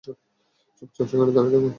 চুপচাপ সেখানে দাড়িয়ে থাকো।